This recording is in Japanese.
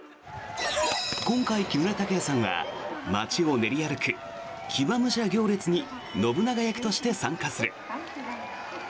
今回、木村拓哉さんは街を練り歩く騎馬武者行列に信長役として参加する。